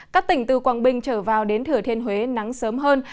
các tỉnh từ quang binh trở vào đến thừa thiên huế nắng sớm hơn